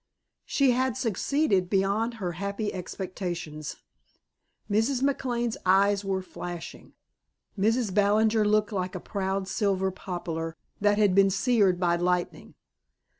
She had succeeded beyond her happy expectations. Mrs. McLane's eyes were flashing. Mrs. Ballinger looked like a proud silver poplar that had been seared by lightning.